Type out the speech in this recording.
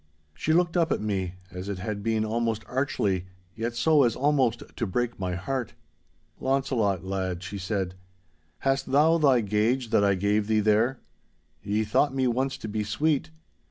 She looked up at me, as it had been almost archly, yet so as almost to break my heart. 'Launcelot, lad,' she said, 'hast thou thy gage that I gave thee there? Ye thought me once to be sweet.